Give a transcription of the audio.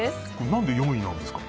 何で４位なんですか？